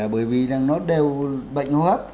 bởi vì nó đều bệnh hô hấp